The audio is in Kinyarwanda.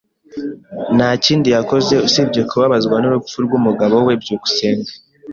Nta kindi yakoze usibye kubabazwa n'urupfu rw'umugabo we. byukusenge